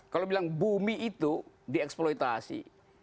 kalau bilang bumi itu dieksploitasi